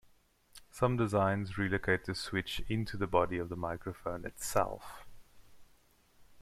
Some designs relocate the switch into the body of the microphone itself.